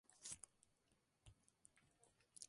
Voló por primera vez pilotado por el Tte.